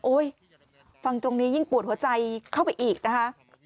ฟังตรงนี้ยิ่งปวดหัวใจเข้าไปอีกนะคะ